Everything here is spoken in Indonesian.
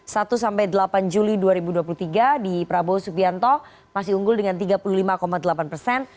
satu sampai delapan juli dua ribu dua puluh tiga di prabowo subianto masih unggul dengan tiga puluh lima delapan persen